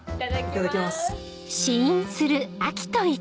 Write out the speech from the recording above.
いただきます。